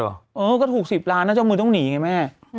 เออก็ถูก๑๐ล้านน่าจะมือต้องหนีไงแม่